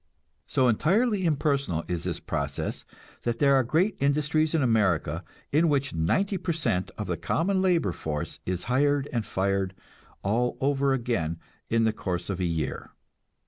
So entirely impersonal is this process that there are great industries in America in which ninety per cent of the common labor force is hired and fired all over again in the course of a year.